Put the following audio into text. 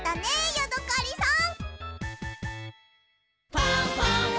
ヤドカリさん！